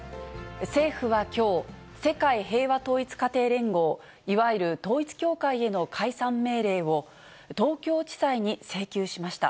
政府はきょう、世界平和統一家庭連合、いわゆる統一教会への解散命令を東京地裁に請求しました。